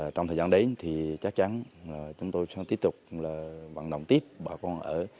trong thời gian đến thì chắc chắn chúng tôi sẽ tiếp tục vận động tiếp bà con ở